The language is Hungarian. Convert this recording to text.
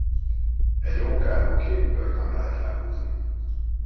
Egy rókáról két bőrt nem lehet lehúzni.